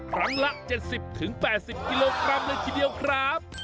ครั้งละ๗๐๘๐กิโลกรัมเลยทีเดียวครับ